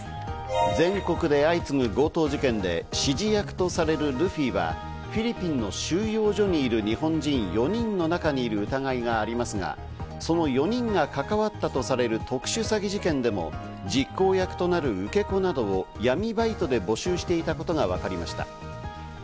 全国で相次ぐ強盗事件で指示役とされるルフィは、フィリピンの収容所にいる日本人４人の中にいる疑いがありますが、その４人が関わったとされる特殊詐欺事件でも実行役となる受け子などを闇バイトで募集していたことがわかりました。